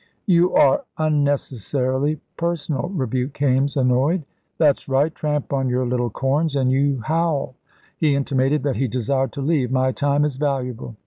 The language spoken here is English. '" "You are unnecessarily personal," rebuked Kaimes, annoyed. "That's right. Tramp on your little corns and you howl." He intimated that he desired to leave. "My time is valuable."